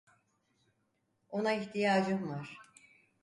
Ona ihtiyacım var.